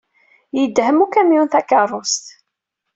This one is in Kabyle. Yedhem ukamyun takeṛṛust.